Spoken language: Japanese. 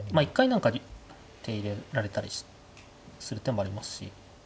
一回なんか手を入れられたりする手もありますし。